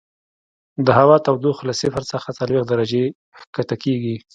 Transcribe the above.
د هوا تودوخه له صفر څخه څلوېښت درجې ښکته کیږي